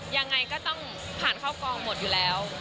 ยังไงก็ต้องผ่านเข้ากองหมดอยู่แล้ว